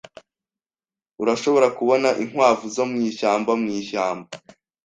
Urashobora kubona inkwavu zo mwishyamba mwishyamba.